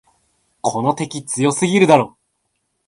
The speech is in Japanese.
この敵、強すぎるだろ。